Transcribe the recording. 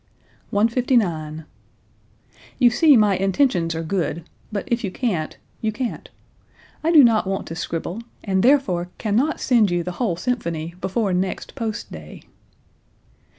159. "You see my intentions are good; but if you can't, you can't! I do not want to scribble, and therefore can not send you the whole symphony before next post day."